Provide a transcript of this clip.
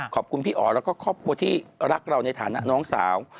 ขอบคุณพี่อ๋อแล้วก็ครอบครัวที่รักเราในฐานะน้องสาว